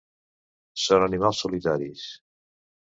Són animals solitaris.